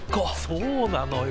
そうなのよ。